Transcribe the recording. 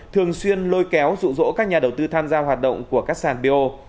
thường xuyên lôi kéo dụ dỗ các nhà đầu tư tham gia hoạt động của các sàn b o